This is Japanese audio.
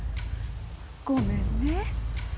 ごめんね。